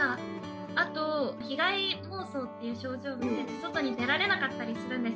あと被害妄想っていう症状のせいで外に出られなかったりするんです。